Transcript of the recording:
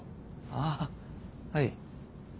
あぁはい。